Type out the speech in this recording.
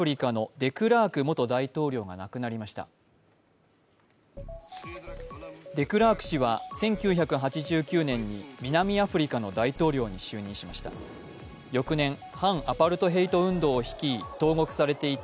デクラーク氏は１９８９年に南アフリカの大統領に就任しました。